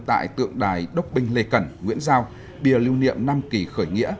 tại tượng đài đốc bình lê cẩn nguyễn giao bìa lưu niệm năm kỳ khởi nghĩa